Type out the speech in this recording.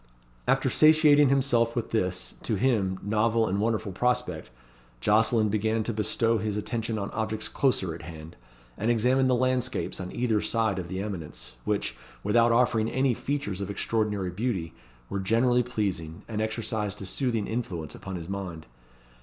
After satiating himself with this, to him, novel and wonderful prospect, Jocelyn began to bestow his attention on objects closer at hand, and examined the landscapes on either side of the eminence, which, without offering any features of extraordinary beauty, were generally pleasing, and exercised a soothing influence upon his mind.